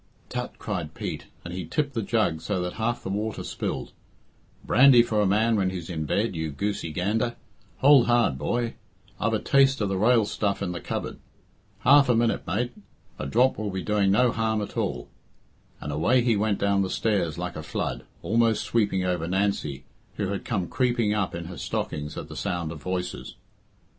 "Tut!" cried Pete, and he tipped the jug so that half the water spilled. "Brandy for a man when he's in bed, you goosey gander. Hould, hard, boy; I've a taste of the rael stuff in the cupboard. Half a minute, mate. A drop will be doing no harm at all," and away he went down the stairs like a flood, almost sweeping over Nancy, who had come creeping up in her stockings at the sound of voices.